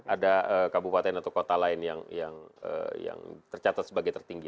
ada kabupaten atau kota lain yang tercatat sebagai tertinggi